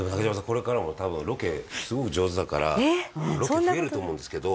これからも多分ロケすごく上手だからロケ増えると思うんですけど。